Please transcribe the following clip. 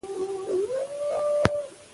که قاضي پاک وي نو عدالت نه پلورل کیږي.